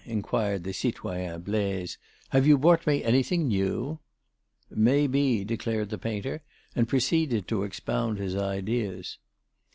inquired the citoyen Blaise, "have you brought me anything new?" "May be," declared the painter, and proceeded to expound his ideas.